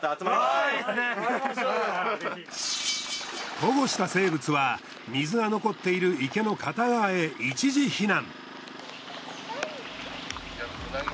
保護した生物は水が残っている池の片側へ一時避難。